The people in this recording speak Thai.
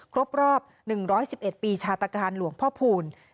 ครบรอบ๑๑๑ปีชาตการหลวงพ่อพูล